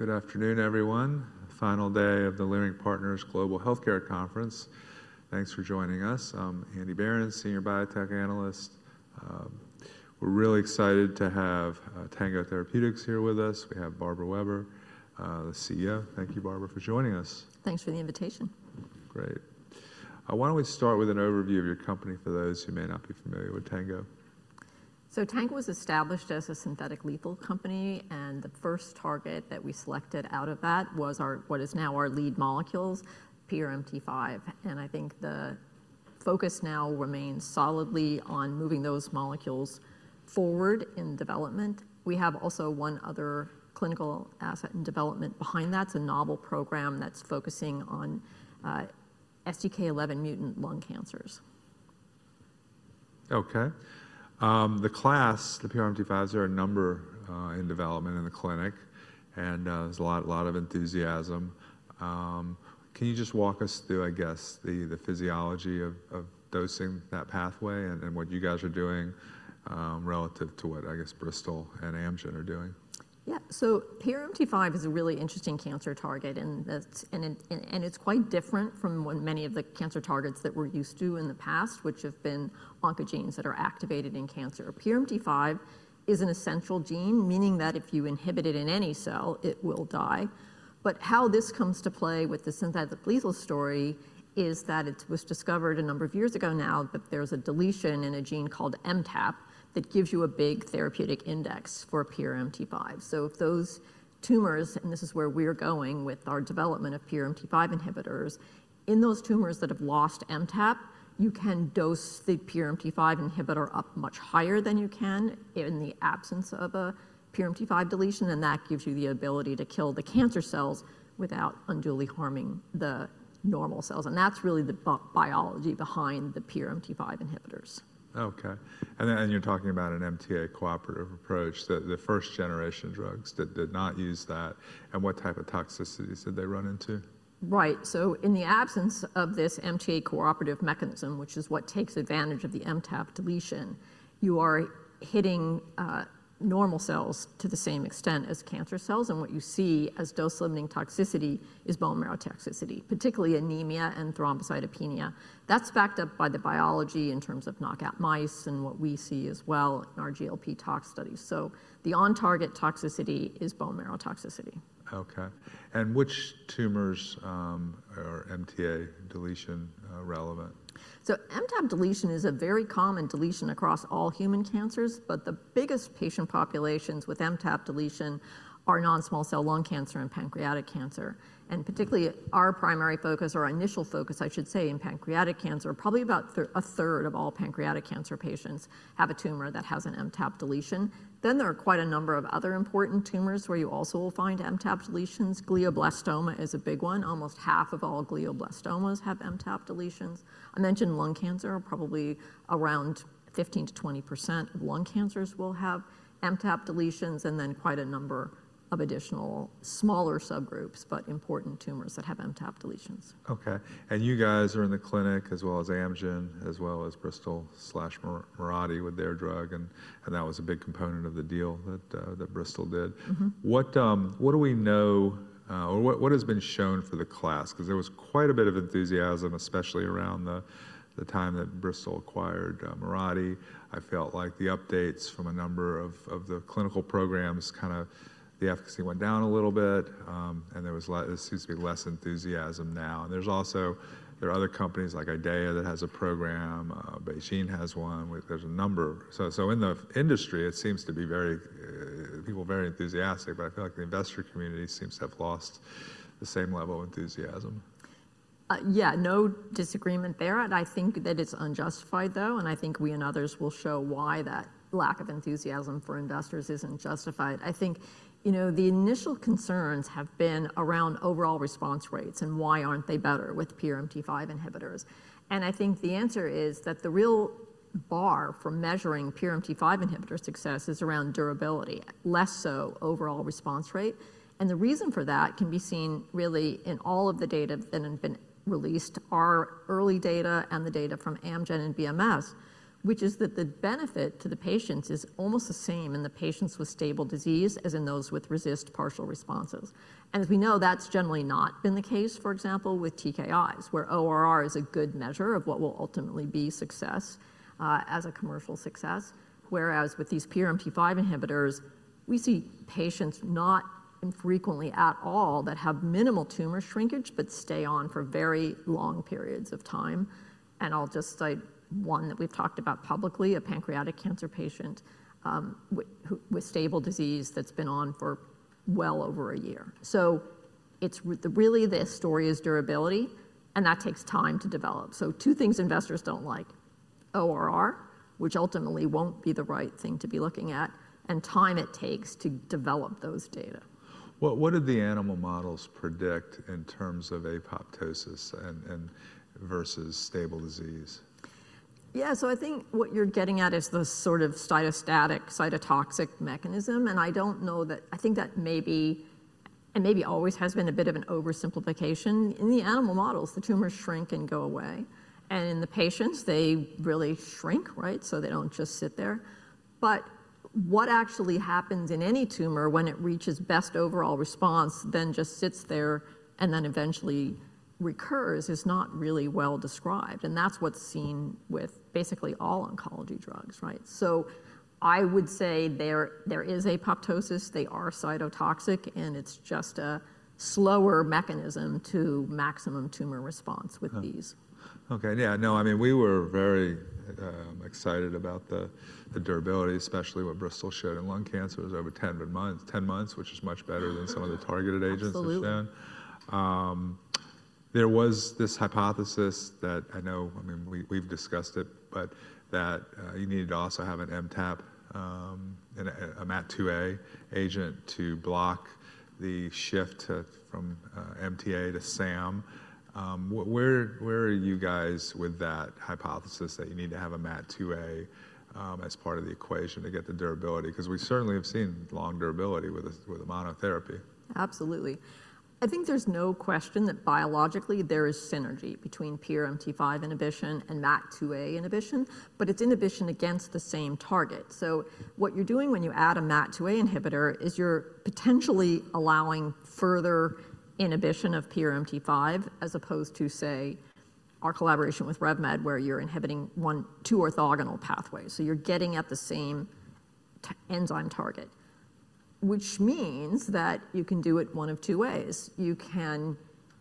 All right. Good afternoon, everyone. Final day of the Leerink Partners Global Healthcare Conference. Thanks for joining us. I'm Andy Berens, Senior Biotech Analyst. We're really excited to have Tango Therapeutics here with us. We have Barbara Weber, the CEO. Thank you, Barbara, for joining us. Thanks for the invitation. Great. Why don't we start with an overview of your company for those who may not be familiar with Tango? Tango was established as a synthetic lethal company, and the first target that we selected out of that was what is now our lead molecules, PRMT5. I think the focus now remains solidly on moving those molecules forward in development. We have also one other clinical asset in development behind that. It's a novel program that's focusing on STK11 mutant lung cancers. Okay. The class, the PRMT5s, are a number in development in the clinic, and there's a lot of enthusiasm. Can you just walk us through, I guess, the physiology of dosing, that pathway, and what you guys are doing relative to what, I guess, Bristol Myers Squibb and Amgen are doing? Yeah. PRMT5 is a really interesting cancer target, and it's quite different from many of the cancer targets that we're used to in the past, which have been oncogenes that are activated in cancer. PRMT5 is an essential gene, meaning that if you inhibit it in any cell, it will die. How this comes to play with the synthetic lethal story is that it was discovered a number of years ago now that there's a deletion in a gene called MTAP that gives you a big therapeutic index for PRMT5. Those tumors, and this is where we're going with our development of PRMT5 inhibitors, in those tumors that have lost MTAP, you can dose the PRMT5 inhibitor up much higher than you can in the absence of a PRMT5 deletion, and that gives you the ability to kill the cancer cells without unduly harming the normal cells. That is really the biology behind the PRMT5 inhibitors. Okay. You are talking about an MTA-cooperative approach, the first-generation drugs that did not use that. What type of toxicities did they run into? Right. In the absence of this MTA-cooperative mechanism, which is what takes advantage of the MTAP deletion, you are hitting normal cells to the same extent as cancer cells. What you see as dose-limiting toxicity is bone marrow toxicity, particularly anemia and thrombocytopenia. That is backed up by the biology in terms of knockout mice and what we see as well in our GLP-tox studies. The on-target toxicity is bone marrow toxicity. Okay. Which tumors are MTAP deletion relevant? MTAP deletion is a very common deletion across all human cancers, but the biggest patient populations with MTAP deletion are non-small cell lung cancer and pancreatic cancer. Particularly our primary focus, or our initial focus, I should say, in pancreatic cancer, probably about a third of all pancreatic cancer patients have a tumor that has an MTAP deletion. There are quite a number of other important tumors where you also will find MTAP deletions. Glioblastoma is a big one. Almost half of all glioblastomas have MTAP deletions. I mentioned lung cancer, probably around 15%-20% of lung cancers will have MTAP deletions, and quite a number of additional smaller subgroups, but important tumors that have MTAP deletions. Okay. You guys are in the clinic, as well as Amgen, as well as Bristol Myers Squibb with their drug, and that was a big component of the deal that Bristol did. What do we know, or what has been shown for the class? There was quite a bit of enthusiasm, especially around the time that Bristol acquired Mirati. I felt like the updates from a number of the clinical programs, kind of the efficacy went down a little bit, and there seems to be less enthusiasm now. There are also other companies like IDEAYA that has a program. BeiGene has one. There are a number. In the industry, it seems to be people very enthusiastic, but I feel like the investor community seems to have lost the same level of enthusiasm. Yeah, no disagreement there. I think that it's unjustified, though, and I think we and others will show why that lack of enthusiasm for investors isn't justified. I think the initial concerns have been around overall response rates and why aren't they better with PRMT5 inhibitors. I think the answer is that the real bar for measuring PRMT5 inhibitor success is around durability, less so overall response rate. The reason for that can be seen really in all of the data that have been released, our early data and the data from Amgen and Bristol Myers Squibb, which is that the benefit to the patients is almost the same in the patients with stable disease as in those with partial responses. As we know, that's generally not been the case, for example, with TKIs, where ORR is a good measure of what will ultimately be success as a commercial success, whereas with these PRMT5 inhibitors, we see patients not infrequently at all that have minimal tumor shrinkage but stay on for very long periods of time. I'll just cite one that we've talked about publicly, a pancreatic cancer patient with stable disease that's been on for well over a year. Really the story is durability, and that takes time to develop. Two things investors don't like: ORR, which ultimately won't be the right thing to be looking at, and time it takes to develop those data. What did the animal models predict in terms of apoptosis versus stable disease? Yeah, so I think what you're getting at is the sort of cytostatic, cytotoxic mechanism. I don't know that I think that maybe and maybe always has been a bit of an oversimplification. In the animal models, the tumors shrink and go away. In the patients, they really shrink, right? They don't just sit there. What actually happens in any tumor when it reaches best overall response, then just sits there and then eventually recurs is not really well described. That's what's seen with basically all oncology drugs, right? I would say there is apoptosis, they are cytotoxic, and it's just a slower mechanism to maximum tumor response with these. Okay. Yeah, no, I mean, we were very excited about the durability, especially what Bristol Myers Squibb showed in lung cancers over 10 months, which is much better than some of the targeted agents we've shown. Absolutely. There was this hypothesis that I know, I mean, we've discussed it, but that you needed to also have an MTAP, a MAT2A agent to block the shift from MTA to SAM. Where are you guys with that hypothesis that you need to have a MAT2A as part of the equation to get the durability? Because we certainly have seen long durability with a monotherapy. Absolutely. I think there's no question that biologically there is synergy between PRMT5 inhibition and MAT2A inhibition, but it's inhibition against the same target. What you're doing when you add a MAT2A inhibitor is you're potentially allowing further inhibition of PRMT5 as opposed to, say, our collaboration with RevMed, where you're inhibiting two orthogonal pathways. You're getting at the same enzyme target, which means that you can do it one of two ways. You can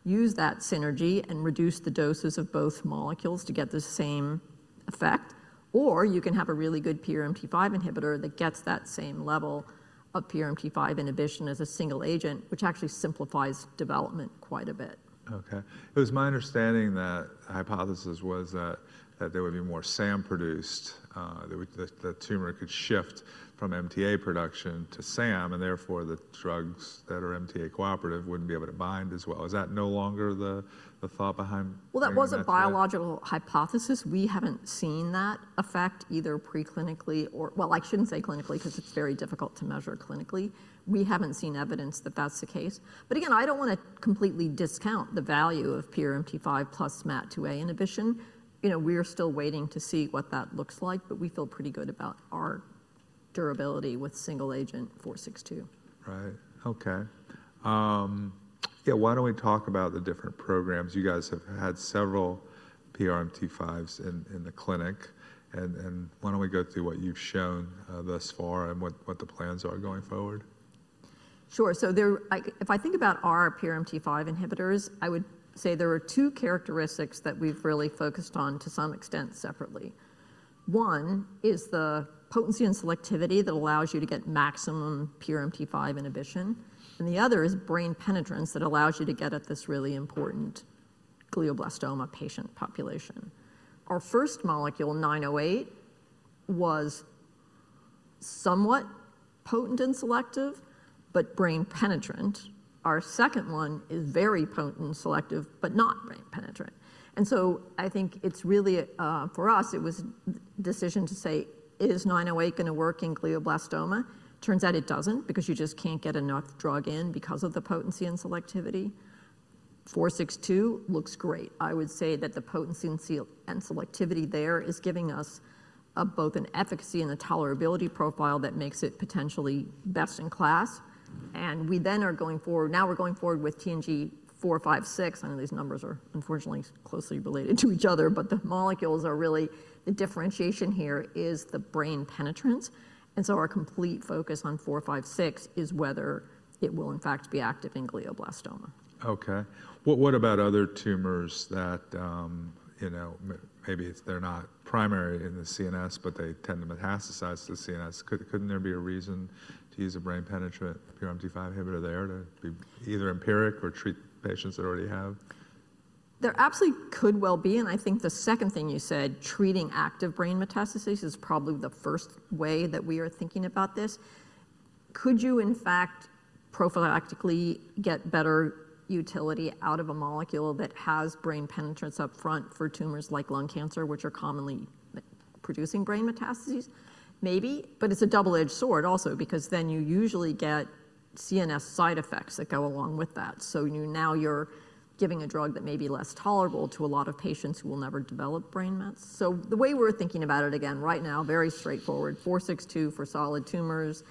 use that synergy and reduce the doses of both molecules to get the same effect, or you can have a really good PRMT5 inhibitor that gets that same level of PRMT5 inhibition as a single agent, which actually simplifies development quite a bit. Okay. It was my understanding that the hypothesis was that there would be more SAM produced, that the tumor could shift from MTA production to SAM, and therefore the drugs that are MTA cooperative wouldn't be able to bind as well. Is that no longer the thought behind? That was a biological hypothesis. We have not seen that effect either preclinically or, well, I should not say clinically because it is very difficult to measure clinically. We have not seen evidence that that is the case. Again, I do not want to completely discount the value of PRMT5 plus MAT2A inhibition. We are still waiting to see what that looks like, but we feel pretty good about our durability with single agent 462. Right. Okay. Yeah, why don't we talk about the different programs? You guys have had several PRMT5s in the clinic. Why don't we go through what you've shown thus far and what the plans are going forward? Sure. If I think about our PRMT5 inhibitors, I would say there are two characteristics that we've really focused on to some extent separately. One is the potency and selectivity that allows you to get maximum PRMT5 inhibition. The other is brain penetrance that allows you to get at this really important glioblastoma patient population. Our first molecule, TNG908, was somewhat potent and selective, but brain penetrant. Our second one is very potent and selective, but not brain penetrant. I think it's really, for us, it was a decision to say, is TNG908 going to work in glioblastoma? Turns out it doesn't because you just can't get enough drug in because of the potency and selectivity. TNG462 looks great. I would say that the potency and selectivity there is giving us both an efficacy and a tolerability profile that makes it potentially best in class. We then are going forward, now we're going forward with TNG456. I know these numbers are unfortunately closely related to each other, but the molecules are really, the differentiation here is the brain penetrance. Our complete focus on 456 is whether it will in fact be active in glioblastoma. Okay. What about other tumors that maybe they're not primary in the CNS, but they tend to metastasize to the CNS? Couldn't there be a reason to use a brain penetrant PRMT5 inhibitor there to be either empiric or treat patients that already have? There absolutely could well be. I think the second thing you said, treating active brain metastases is probably the first way that we are thinking about this. Could you in fact prophylactically get better utility out of a molecule that has brain penetrance upfront for tumors like lung cancer, which are commonly producing brain metastases? Maybe, but it's a double-edged sword also because then you usually get CNS side effects that go along with that. Now you're giving a drug that may be less tolerable to a lot of patients who will never develop brain mets. The way we're thinking about it again right now, very straightforward, 462 for solid tumors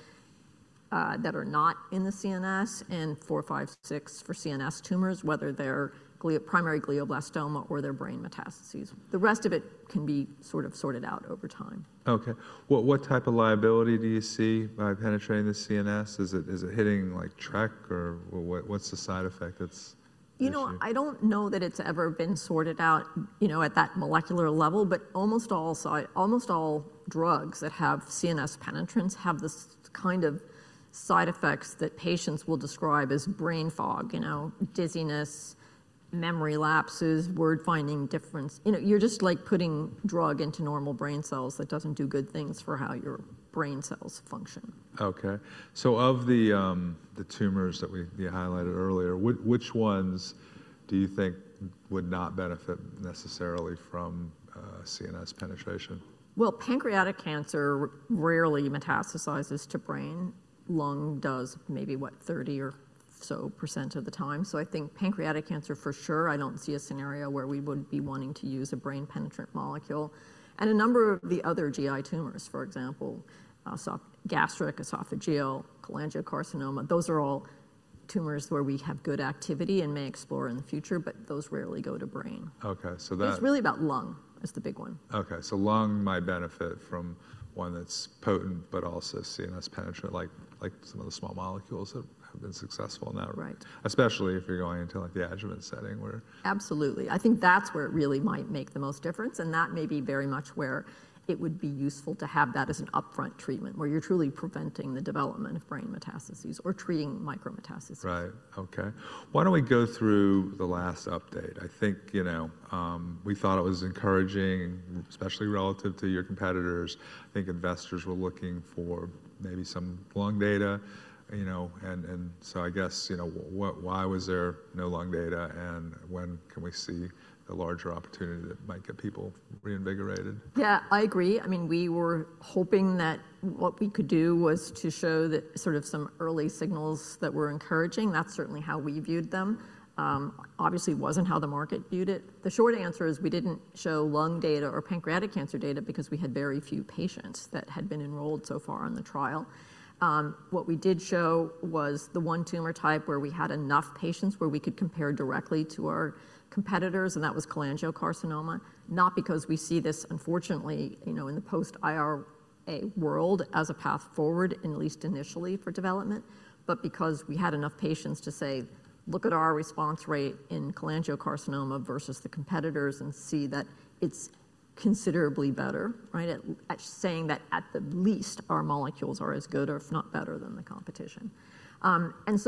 that are not in the CNS and 456 for CNS tumors, whether they're primary glioblastoma or they're brain metastases. The rest of it can be sort of sorted out over time. Okay. What type of liability do you see by penetrating the CNS? Is it hitting like track or what's the side effect that's? You know, I don't know that it's ever been sorted out at that molecular level, but almost all drugs that have CNS penetrance have this kind of side effects that patients will describe as brain fog, dizziness, memory lapses, word-finding difference. You're just like putting drug into normal brain cells that doesn't do good things for how your brain cells function. Okay. Of the tumors that you highlighted earlier, which ones do you think would not benefit necessarily from CNS penetration? Pancreatic cancer rarely metastasizes to brain. Lung does maybe, what, 30 or so % of the time. I think pancreatic cancer for sure. I do not see a scenario where we would be wanting to use a brain penetrant molecule. A number of the other GI tumors, for example, gastric, esophageal, cholangiocarcinoma, those are all tumors where we have good activity and may explore in the future, but those rarely go to brain. Okay. So that. It's really about lung is the big one. Okay. Lung might benefit from one that's potent, but also CNS penetrant, like some of the small molecules that have been successful now. Right. Especially if you're going into like the adjuvant setting where. Absolutely. I think that's where it really might make the most difference. That may be very much where it would be useful to have that as an upfront treatment where you're truly preventing the development of brain metastases or treating micrometastases. Right. Okay. Why don't we go through the last update? I think we thought it was encouraging, especially relative to your competitors. I think investors were looking for maybe some lung data. I guess, why was there no lung data? When can we see the larger opportunity that might get people reinvigorated? Yeah, I agree. I mean, we were hoping that what we could do was to show that sort of some early signals that were encouraging. That's certainly how we viewed them. Obviously, it wasn't how the market viewed it. The short answer is we didn't show lung data or pancreatic cancer data because we had very few patients that had been enrolled so far in the trial. What we did show was the one tumor type where we had enough patients where we could compare directly to our competitors, and that was cholangiocarcinoma. Not because we see this, unfortunately, in the post-IRA world as a path forward, at least initially for development, but because we had enough patients to say, "Look at our response rate in cholangiocarcinoma versus the competitors and see that it's considerably better," right? Saying that at the least our molecules are as good, if not better, than the competition.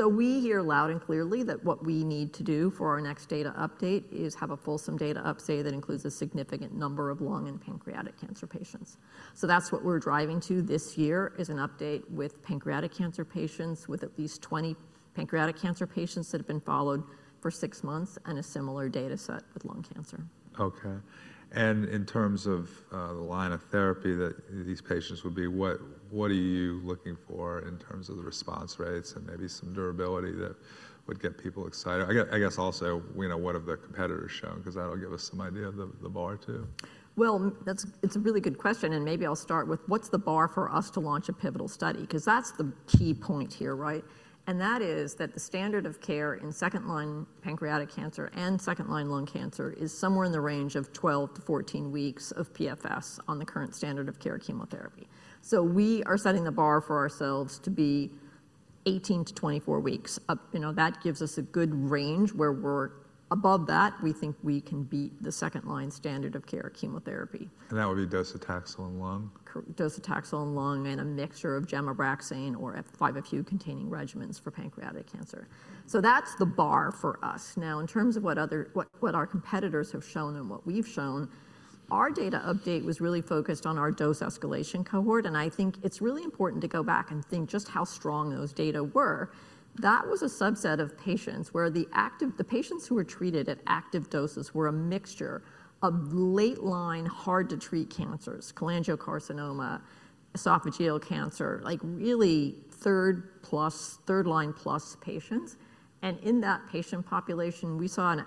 We hear loud and clearly that what we need to do for our next data update is have a fulsome data update that includes a significant number of lung and pancreatic cancer patients. That is what we're driving to this year, an update with pancreatic cancer patients with at least 20 pancreatic cancer patients that have been followed for six months and a similar data set with lung cancer. Okay. In terms of the line of therapy that these patients would be, what are you looking for in terms of the response rates and maybe some durability that would get people excited? I guess also, what have the competitors shown? Because that'll give us some idea of the bar too. It's a really good question. Maybe I'll start with what's the bar for us to launch a pivotal study, because that's the key point here, right? That is that the standard of care in second-line pancreatic cancer and second-line lung cancer is somewhere in the range of 12-14 weeks of PFS on the current standard of care chemotherapy. We are setting the bar for ourselves to be 18-24 weeks. That gives us a good range where we're above that, we think we can beat the second-line standard of care chemotherapy. That would be docetaxel in lung? Docetaxel in lung and a mixture of gemcitabine or 5-FU-containing regimens for pancreatic cancer. That is the bar for us. Now, in terms of what our competitors have shown and what we have shown, our data update was really focused on our dose escalation cohort. I think it is really important to go back and think just how strong those data were. That was a subset of patients where the patients who were treated at active doses were a mixture of late-line, hard-to-treat cancers, cholangiocarcinoma, esophageal cancer, like really third-line-plus patients. In that patient population, we saw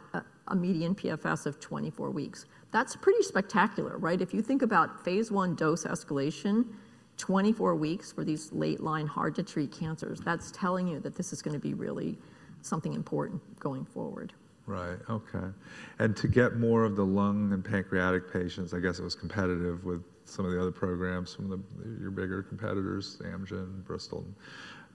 a median PFS of 24 weeks. That is pretty spectacular, right? If you think about phase one dose escalation, 24 weeks for these late-line, hard-to-treat cancers, that is telling you that this is going to be really something important going forward. Right. Okay. To get more of the lung and pancreatic patients, I guess it was competitive with some of the other programs, some of your bigger competitors, Amgen and Bristol.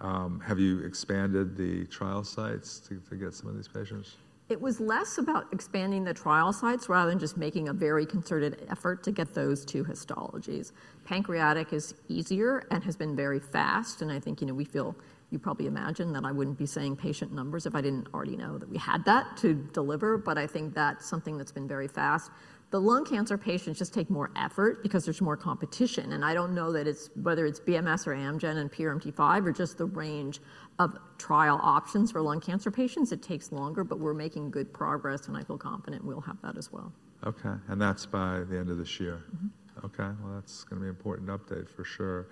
Have you expanded the trial sites to get some of these patients? It was less about expanding the trial sites rather than just making a very concerted effort to get those two histologies. Pancreatic is easier and has been very fast. I think we feel, you probably imagine that I wouldn't be saying patient numbers if I didn't already know that we had that to deliver. I think that's something that's been very fast. The lung cancer patients just take more effort because there's more competition. I don't know that it's whether it's Bristol Myers Squibb or Amgen and PRMT5 or just the range of trial options for lung cancer patients. It takes longer, but we're making good progress. I feel confident we'll have that as well. Okay. That's by the end of this year? Mm-hmm. Okay. That's going to be an important update for sure.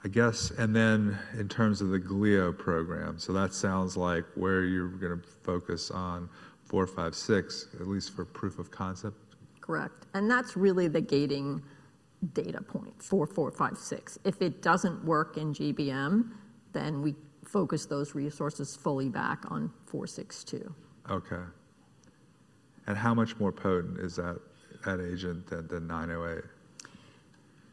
I guess, and then in terms of the Glio program, that sounds like where you're going to focus on 456, at least for proof of concept? Correct. And that's really the gating data points for 456. If it doesn't work in GBM, then we focus those resources fully back on 462. Okay. How much more potent is that agent than 908?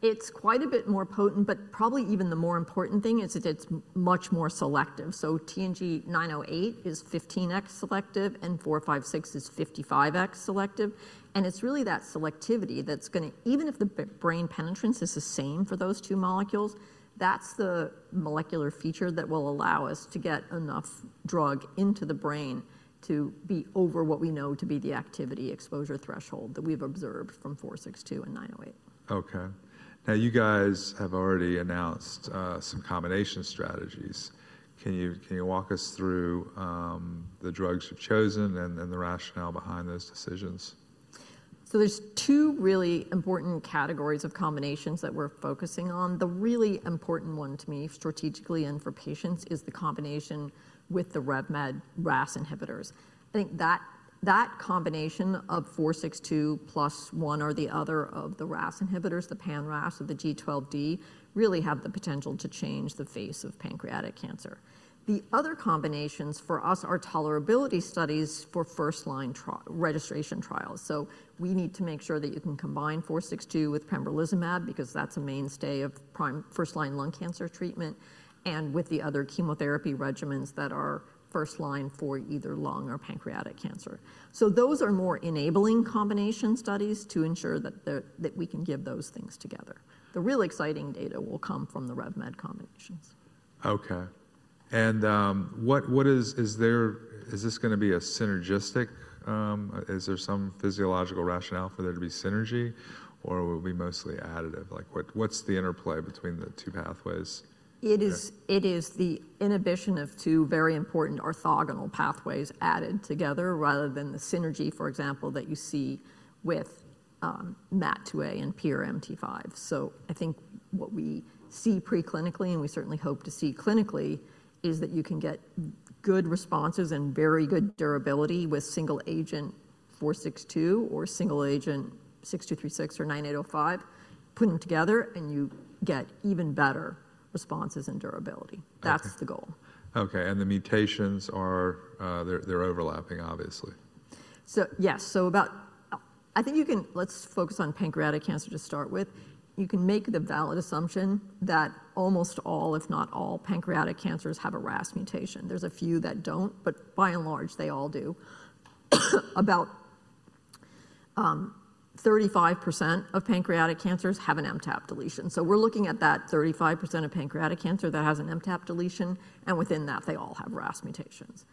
It's quite a bit more potent, but probably even the more important thing is that it's much more selective. TNG908 is 15x selective and 456 is 55x selective. It's really that selectivity that's going to, even if the brain penetrance is the same for those two molecules, that's the molecular feature that will allow us to get enough drug into the brain to be over what we know to be the activity exposure threshold that we've observed from 462 and 908. Okay. Now you guys have already announced some combination strategies. Can you walk us through the drugs you've chosen and the rationale behind those decisions? There are two really important categories of combinations that we're focusing on. The really important one to me strategically and for patients is the combination with the RevMed RAS inhibitors. I think that combination of 462 plus one or the other of the RAS inhibitors, the pan-RAS or the G12D, really have the potential to change the face of pancreatic cancer. The other combinations for us are tolerability studies for first-line registration trials. We need to make sure that you can combine 462 with pembrolizumab because that's a mainstay of first-line lung cancer treatment and with the other chemotherapy regimens that are first-line for either lung or pancreatic cancer. Those are more enabling combination studies to ensure that we can give those things together. The real exciting data will come from the RevMed combinations. Okay. Is this going to be a synergistic? Is there some physiological rationale for there to be synergy or will it be mostly additive? What's the interplay between the two pathways? It is the inhibition of two very important orthogonal pathways added together rather than the synergy, for example, that you see with MAT2A and PRMT5. I think what we see preclinically and we certainly hope to see clinically is that you can get good responses and very good durability with single-agent 462 or single-agent 6236 or 9805, put them together and you get even better responses and durability. That's the goal. Okay. The mutations are they're overlapping, obviously. Yes. I think you can, let's focus on pancreatic cancer to start with. You can make the valid assumption that almost all, if not all, pancreatic cancers have a RAS mutation. There's a few that don't, but by and large, they all do. About 35% of pancreatic cancers have an MTAP deletion. We're looking at that 35% of pancreatic cancer that has an MTAP deletion, and within that, they all have RAS mutations.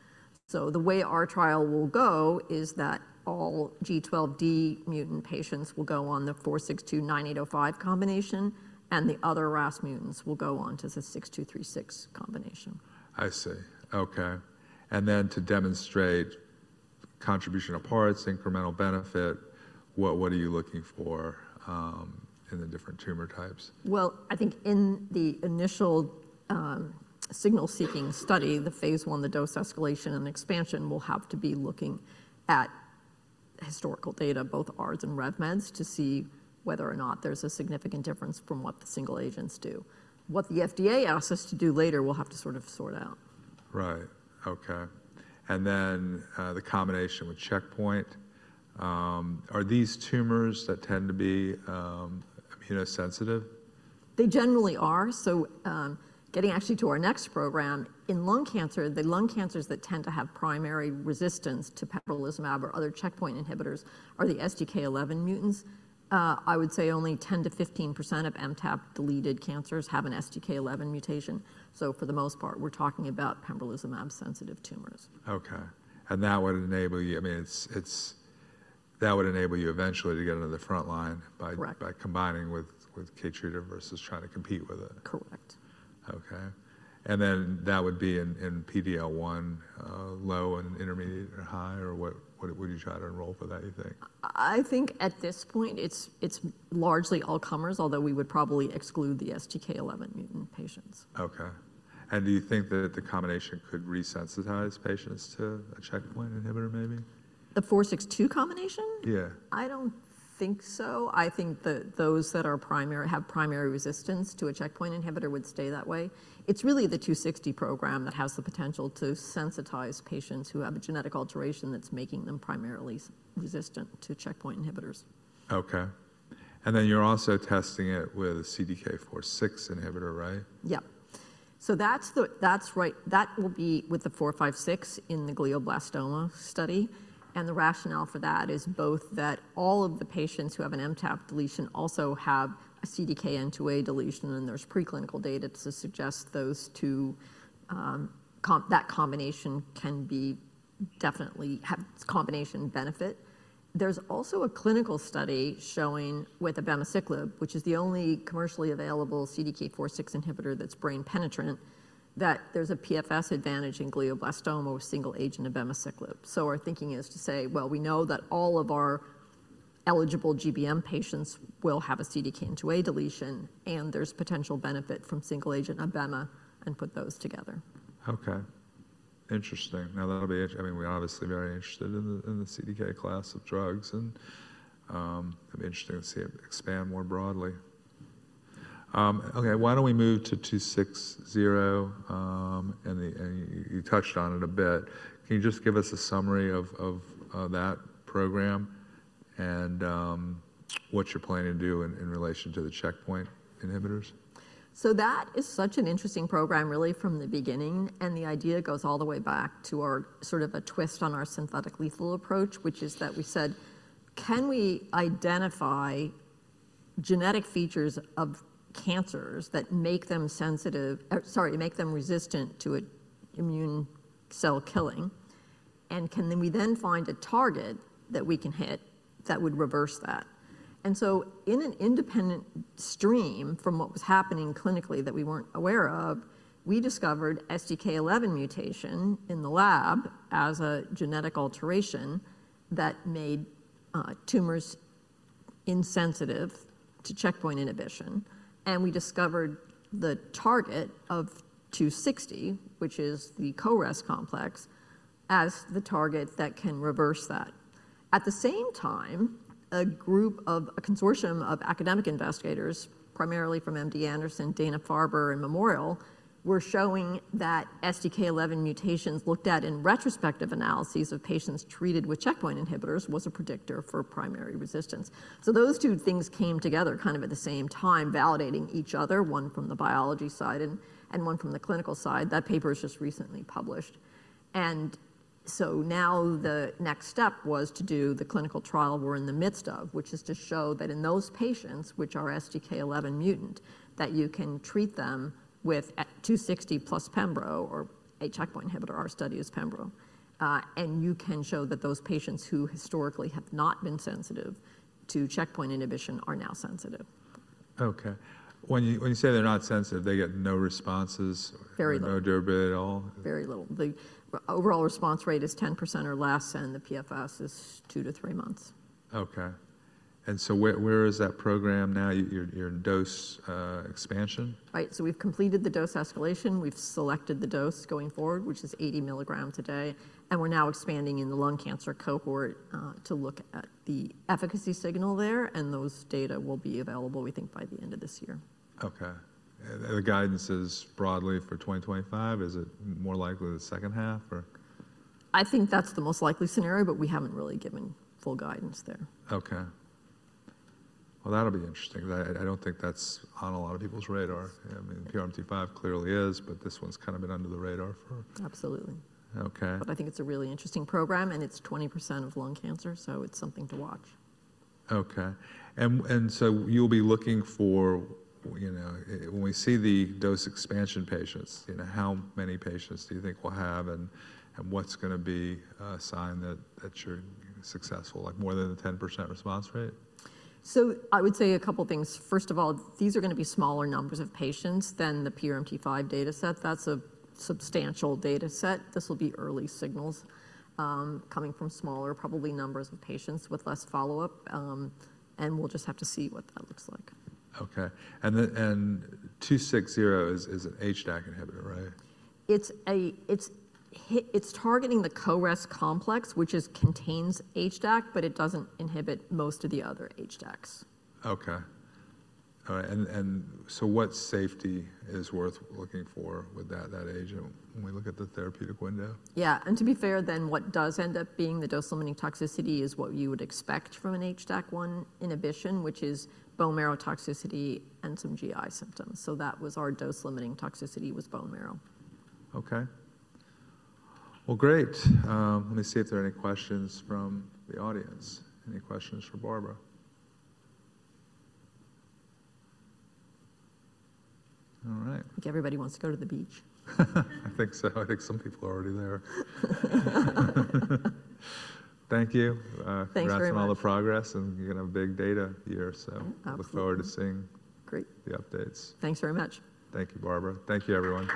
The way our trial will go is that all G12D mutant patients will go on the 462-9805 combination, and the other RAS mutants will go on to the 6236 combination. I see. Okay. To demonstrate contribution of parts, incremental benefit, what are you looking for in the different tumor types? I think in the initial signal-seeking study, the phase one, the dose escalation and expansion will have to be looking at historical data, both ours and RevMed's, to see whether or not there's a significant difference from what the single agents do. What the FDA asks us to do later, we'll have to sort of sort out. Right. Okay. And then the combination with checkpoint, are these tumors that tend to be immunosensitive? They generally are. Getting actually to our next program, in lung cancer, the lung cancers that tend to have primary resistance to pembrolizumab or other checkpoint inhibitors are the STK11 mutants. I would say only 10-15% of MTAP-deleted cancers have an STK11 mutation. For the most part, we're talking about pembrolizumab-sensitive tumors. Okay. That would enable you, I mean, that would enable you eventually to get into the front line by combining with KEYTRUDA versus trying to compete with it. Correct. Okay. That would be in PD-L1, low and intermediate or high, or what would you try to enroll for that, you think? I think at this point, it's largely all comers, although we would probably exclude the STK11 mutant patients. Okay. Do you think that the combination could resensitize patients to a checkpoint inhibitor, maybe? The 462 combination? Yeah. I don't think so. I think that those that have primary resistance to a checkpoint inhibitor would stay that way. It's really the 260 program that has the potential to sensitize patients who have a genetic alteration that's making them primarily resistant to checkpoint inhibitors. Okay. You are also testing it with a CDK4/6 inhibitor, right? Yep. That will be with the 456 in the glioblastoma study. The rationale for that is both that all of the patients who have an MTAP deletion also have a CDKN2A deletion, and there's preclinical data to suggest that combination can definitely have combination benefit. There's also a clinical study showing with abemaciclib, which is the only commercially available CDK4/6 inhibitor that's brain penetrant, that there's a PFS advantage in glioblastoma with single-agent abemaciclib. Our thinking is to say, we know that all of our eligible GBM patients will have a CDKN2A deletion, and there's potential benefit from single-agent abema, and put those together. Okay. Interesting. Now, that'll be, I mean, we're obviously very interested in the CDK class of drugs, and it'll be interesting to see it expand more broadly. Okay. Why don't we move to 260? And you touched on it a bit. Can you just give us a summary of that program and what you're planning to do in relation to the checkpoint inhibitors? That is such an interesting program, really, from the beginning. The idea goes all the way back to our sort of a twist on our synthetic lethal approach, which is that we said, can we identify genetic features of cancers that make them sensitive, sorry, make them resistant to immune cell killing? Can we then find a target that we can hit that would reverse that? In an independent stream from what was happening clinically that we were not aware of, we discovered STK11 mutation in the lab as a genetic alteration that made tumors insensitive to checkpoint inhibition. We discovered the target of 260, which is the CoREST complex, as the target that can reverse that. At the same time, a consortium of academic investigators, primarily from MD Anderson, Dana-Farber, and Memorial, were showing that STK11 mutations looked at in retrospective analyses of patients treated with checkpoint inhibitors was a predictor for primary resistance. Those two things came together kind of at the same time, validating each other, one from the biology side and one from the clinical side. That paper was just recently published. Now the next step was to do the clinical trial we're in the midst of, which is to show that in those patients which are STK11 mutant, that you can treat them with 260 plus pembro or a checkpoint inhibitor. Our study is pembro. You can show that those patients who historically have not been sensitive to checkpoint inhibition are now sensitive. Okay. When you say they're not sensitive, they get no responses or no durability at all? Very little. Very little. The overall response rate is 10% or less, and the PFS is two to three months. Okay. Where is that program now? Your dose expansion? Right. We've completed the dose escalation. We've selected the dose going forward, which is 80 milligrams a day. We're now expanding in the lung cancer cohort to look at the efficacy signal there. Those data will be available, we think, by the end of this year. Okay. The guidance is broadly for 2025? Is it more likely the second half, or? I think that's the most likely scenario, but we haven't really given full guidance there. Okay. That'll be interesting. I don't think that's on a lot of people's radar. I mean, PRMT5 clearly is, but this one's kind of been under the radar for. Absolutely. Okay. I think it's a really interesting program, and it's 20% of lung cancer, so it's something to watch. Okay. You will be looking for when we see the dose expansion patients, how many patients do you think we will have and what is going to be a sign that you are successful, like more than a 10% response rate? I would say a couple of things. First of all, these are going to be smaller numbers of patients than the PRMT5 dataset. That's a substantial dataset. This will be early signals coming from smaller, probably numbers of patients with less follow-up. We'll just have to see what that looks like. Okay. TNG260 is an HDAC inhibitor, right? It's targeting the CoREST complex, which contains HDAC, but it doesn't inhibit most of the other HDACs. Okay. All right. What safety is worth looking for with that agent when we look at the therapeutic window? Yeah. To be fair, then what does end up being the dose-limiting toxicity is what you would expect from an HDAC1 inhibition, which is bone marrow toxicity and some GI symptoms. That was our dose-limiting toxicity, bone marrow. Okay. Great. Let me see if there are any questions from the audience. Any questions for Barbara? All right. I think everybody wants to go to the beach. I think so. I think some people are already there. Thank you. Thanks very much. Congrats on all the progress, and you're going to have big data here, so look forward to seeing the updates. Thanks very much. Thank you, Barbara. Thank you, everyone.